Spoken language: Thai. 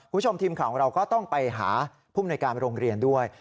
คุณชมทีมของเราก็ต้องไปหาภูมิในการโรงเรียนด้วย